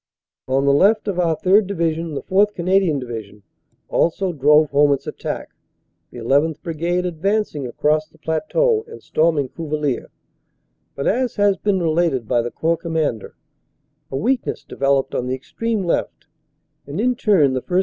On the left of our 3rd. Division the 4th. Canadian Division also drove home its attack, the 1 1th. Brigade advancing across the plateau and storming Cuvillers. But, as has been related by the Corps Commander, a weakness developed on the extreme left, and in turn the 1st.